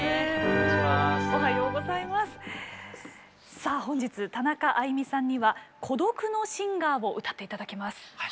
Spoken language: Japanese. さあ本日田中あいみさんには「孤独の歌姫」を歌って頂きます。